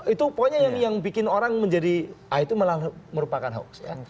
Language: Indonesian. itu pokoknya yang bikin orang menjadi itu malah merupakan hoax